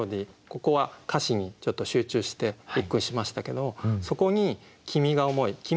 ここは「歌詞」にちょっと集中して一句にしましたけどそこに「君が思ひ」。